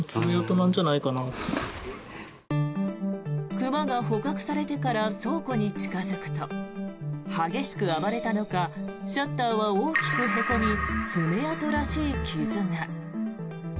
熊が捕獲されてから倉庫に近付くと激しく暴れたのかシャッターは大きくへこみ爪痕らしい傷が。